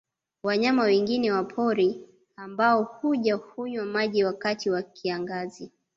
Wanyama wengine wa pori ambao huja kunywa maji wakati wa kiangazi